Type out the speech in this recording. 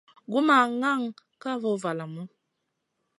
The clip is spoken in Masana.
Gu ma ŋahn ka voh valamu.